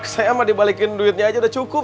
saya emang dibalikin duitnya aja udah cukup